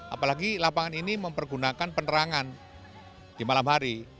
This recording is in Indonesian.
apalagi lapangan ini mempergunakan penerangan di malam hari